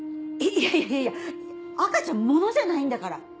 いやいやいや赤ちゃん物じゃないんだから。